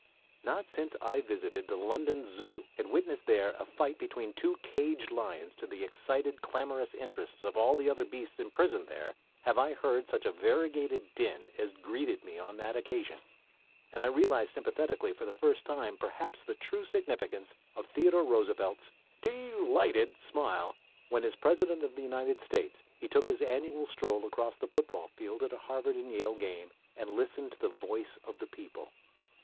Not since I visited the London Zoo and witnessed there a fight between two caged lions to the excited, clamorous interest of all the other beasts imprisoned there, have I heard such a variegated din as greeted me on that occasion, and I realized sympathetically for the first time perhaps the true significance of Theodore Roosevelt's "dee lighted" smile when as President of the United States he took his annual stroll across the football field at a Harvard and Yale game, and listened to the "voice of the people."